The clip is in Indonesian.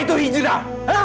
apa itu hijrah